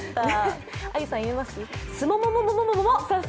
あゆさん言えます。